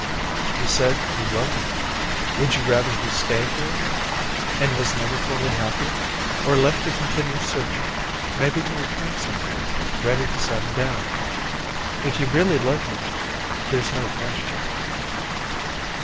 "You said you love him. Would you rather he stayed here, and was never fully happy, or left to continue searching, maybe to return someday, ready to settle down? If you really love him there's no question."